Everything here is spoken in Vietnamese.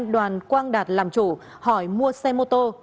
đoàn quang đạt làm chủ hỏi mua xe mô tô